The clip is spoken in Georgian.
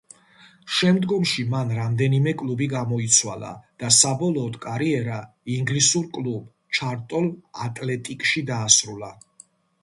შემდგომში მან რამდენიმე კლუბი გამოიცვალა და საბოლოოდ კარიერა ინგლისურ კლუბ ჩარლტონ ატლეტიკში დაასრულა.